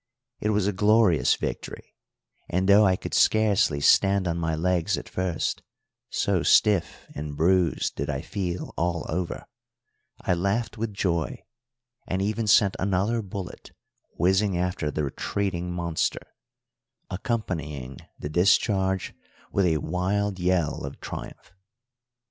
It was a glorious victory; and though I could scarcely stand on my legs at first, so stiff and bruised did I feel all over, I laughed with joy, and even sent another bullet whizzing after the retreating monster, accompanying the discharge with a wild yell of triumph.